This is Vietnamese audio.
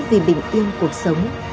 vì bình yên cuộc sống